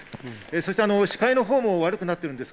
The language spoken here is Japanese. そして視界のほうも悪くなっているんです。